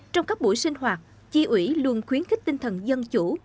trong các buổi sinh hoạt chi ủy luôn khuyến khích tinh thần dân chủ